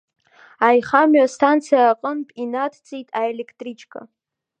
Аихамҩа астанциа аҟынтә инадҵит аелектричка.